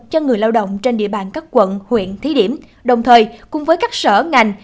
cho người lao động trên địa bàn các quận huyện thí điểm đồng thời cùng với các sở ngành